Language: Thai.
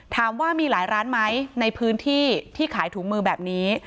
ถามว่ามีหลายร้านไหมในพื้นที่ที่ขายถุงมือแบบนี้